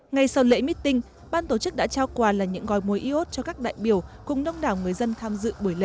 ngay sau lễ meeting ban tổ chức đã trao quà là những gói mối iốt cho các đại biểu cùng đông đảo người dân tham dự buổi lễ